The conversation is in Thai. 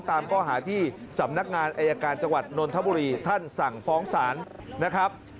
ตามข้อหาที่สำนักงานอายการจังหวัดนนทบุรีท่านสั่งฟ้องศาลนะครับ